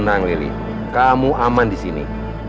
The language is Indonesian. aku tidak mau disini